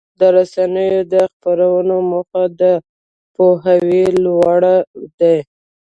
د رسنیو د خپرونو موخه د پوهاوي لوړول دي.